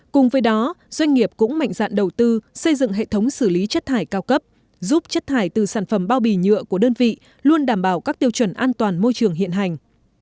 cùng với đó doanh nghiệp cũng mạnh dạn đầu tư xây dựng hệ thống xử lý chất thải cao cấp giúp chất thải từ sản phẩm bao bì nhựa của đơn vị luôn đảm bảo các tiêu chuẩn an toàn môi trường hiện hành